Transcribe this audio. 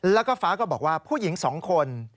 แล้วก็ฟ้าก็บอกว่าผู้หญิง๒คน